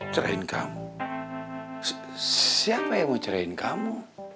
ceraiin kamu siapa yang mau ceraiin kamu